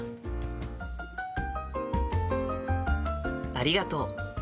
ありがとう。